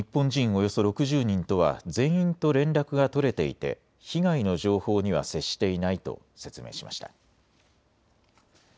およそ６０人とは全員と連絡が取れていて被害の情報には接していないと説明しました。